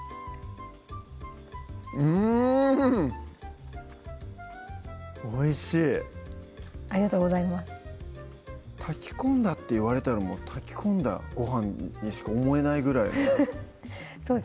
うんおいしいありがとうございます炊き込んだっていわれたら炊き込んだご飯にしか思えないぐらいのそうです